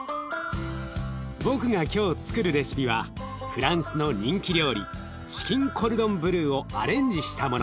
僕が今日つくるレシピはフランスの人気料理チキン・コルドン・ブルーをアレンジしたもの。